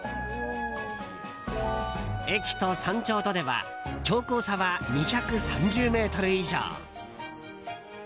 駅と山頂とでは標高差は２３０ｍ以上。